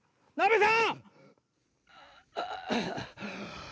なべさん。